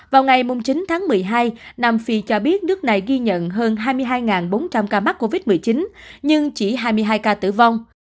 vào ngày chín tháng một mươi hai nam phi cho biết nước này ghi nhận hơn hai mươi hai bốn trăm linh ca mắc covid một mươi chín nhưng chỉ hai mươi hai ca tử vong